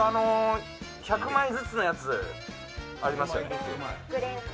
１００枚ずつのやつありますよね。